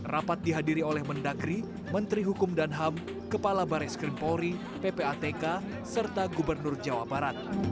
rapat dihadiri oleh mendagri menteri hukum dan ham kepala baris krim polri ppatk serta gubernur jawa barat